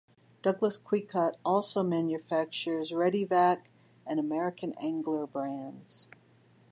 Douglas Quikut also manufactures ReadiVac and American Angler brands.